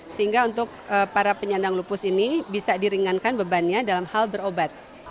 sehingga untuk para penyandang lupus ini bisa diringankan bebannya dalam hal berobat